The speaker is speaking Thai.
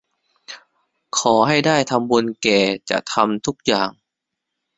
ขอให้ได้ทำบุญแก่จะทำทุกอย่าง